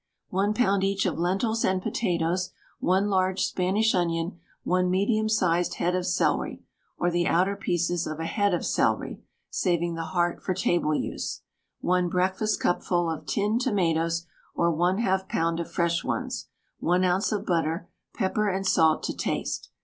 1 lb. each of lentils and potatoes, 1 large Spanish onion, 1 medium sized head of celery (or the outer pieces of a head of celery, saving the heart for table use), 1 breakfastcupful of tinned tomatoes or 1/2 lb. of fresh ones, 1 oz. of butter, pepper and salt to taste.